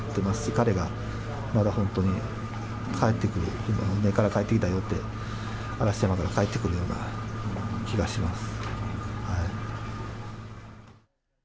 彼がまだ本当に帰ってくる、船から帰ってきたよって、話して、また帰ってくるような気がします。